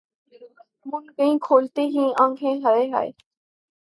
مُند گئیں کھولتے ہی کھولتے آنکھیں ہَے ہَے!